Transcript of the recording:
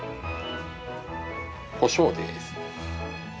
こしょうです。